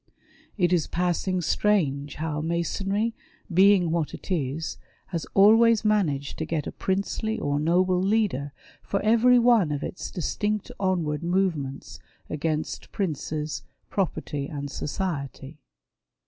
It is passing strange how Masonry, being what it is, has always managed to get a princely or noble leader for every one of its distinct onward movements against princes, property, and society.